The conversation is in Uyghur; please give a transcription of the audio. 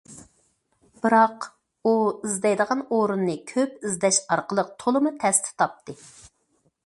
بىراق، ئۇ ئىزدەيدىغان ئورۇننى كۆپ ئىزدەش ئارقىلىق تولىمۇ تەستە تاپتى.